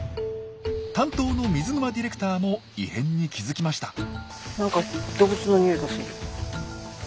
担当の水沼ディレクターも異変に気付きました。